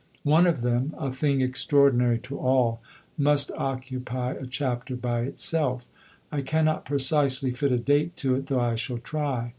One of them a thing extraordinary to all must occupy a chapter by itself. I cannot precisely fit a date to it, though I shall try.